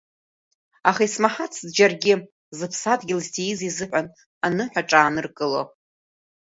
Аха исмаҳацт џьаргьы, зыԥсадгьыл зҭииз изыҳәан аныҳәаҿа ааныркыло.